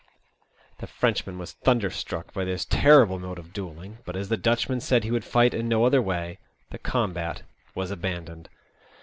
The Frenchman was thunderstruck by this terrible mode of duelling, but, as the Dutchman said he would fight in no other way, the combat was abandoned.